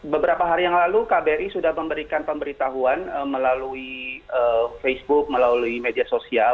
beberapa hari yang lalu kbri sudah memberikan pemberitahuan melalui facebook melalui media sosial